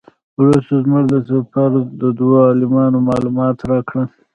وروسته زموږ د سفر دوو عالمانو معلومات راکړل.